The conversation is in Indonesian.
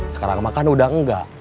sekarang makan udah enggak